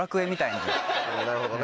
なるほどね。